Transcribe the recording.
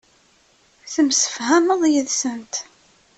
Temsefhameḍ yid-sent.